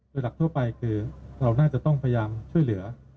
โดยหลักทั่วไปคือเราน่าจะต้องพยายามช่วยเหลือ